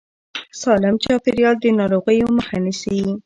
سالم چاپېريال د ناروغیو مخه نیسي.